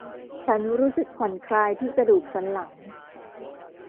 ฉันรู้สึกผ่อนคลายที่กระดูกสันหลัง